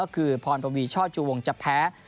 คือพรพบีช่อจูงวงจะแพ้